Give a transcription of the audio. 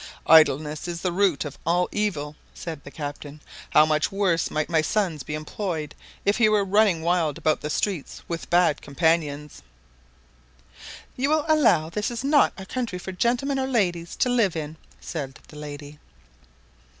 "Idleness is the root of all evil," said the captain. "How much worse might my son be employed if he were running wild about streets with bad companions." "You will allow this is not a country for gentlemen or ladies to live in," said the lady.